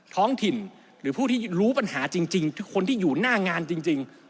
ท้องถิ่นหรือผู้ที่รู้ปัญหาจริงคือคนที่อยู่หน้างานจริง